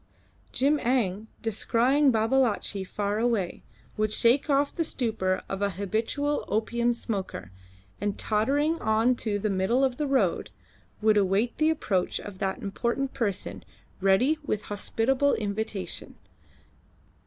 Jim Eng, descrying Babalatchi far away, would shake off the stupor of an habitual opium smoker and, tottering on to the middle of the road, would await the approach of that important person, ready with hospitable invitation.